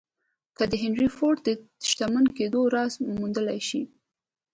که د هنري فورډ د شتمن کېدو راز موندلای شئ.